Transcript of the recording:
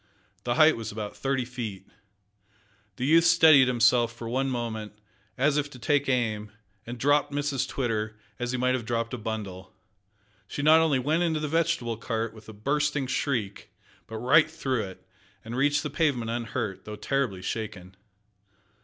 The height was about thirty feet. The youth steadied himself for one moment, as if to take aim, and dropped Mrs Twitter, as he might have dropped a bundle. She not only went into the vegetable cart, with a bursting shriek, but right through it, and reached the pavement unhurt though terribly shaken!